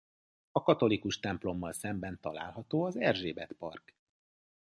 A katolikus templommal szemben található az Erzsébet-park.